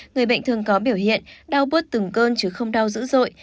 người bệnh thường có biểu hiện đau bớt từng cơn chứ không đau dữ dội